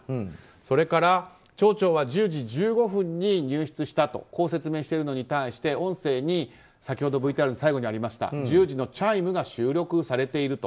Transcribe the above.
それから町長は１０時１５分に入室したと説明しているのに対して音声に先ほどＶＴＲの最後にありました１０時のチャイムが収録されていると。